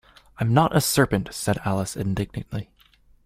‘I’m not a serpent!’ said Alice indignantly.